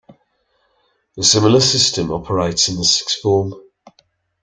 A similar system operates at the Sixth Form.